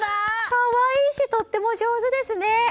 可愛いしとっても上手ですね！